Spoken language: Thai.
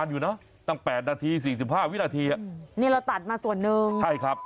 อยู่เนอะตั้งแปดนาทีสี่สิบห้าวินาทีอ่ะนี่เราตัดมาส่วนหนึ่งใช่ครับ